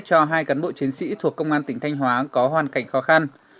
cho hai cán bộ chiến sĩ thuộc công an tỉnh thanh hóa có hoàn cảnh khó khăn